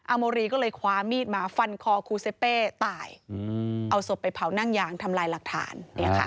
โมรีก็เลยคว้ามีดมาฟันคอครูเซเป้ตายเอาศพไปเผานั่งยางทำลายหลักฐาน